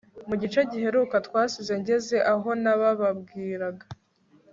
Mu gice giheruka twasize ngeze aho nabababwiraga